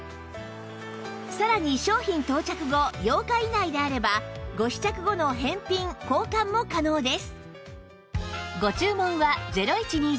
さらに商品到着後８日以内であればご試着後の返品交換も可能です